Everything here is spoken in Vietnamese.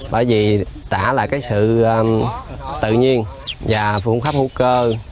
bởi vì đã là cái sự tự nhiên và phương pháp vũ cơ